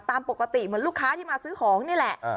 ตามปกติเหมือนลูกค้าที่มาซื้อของนี่แหละ